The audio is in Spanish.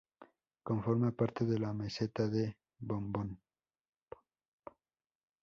Conforma parte de la Meseta de Bombón.